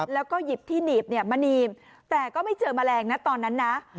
แล้วก็หยิบที่หนีบมาหนีบแต่ก็ไม่เจอแมลงนะตอนนั้นนะ